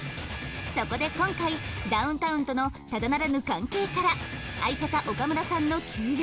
そこで今回ダウンタウンとのただならぬ関係から相方岡村さんの休業。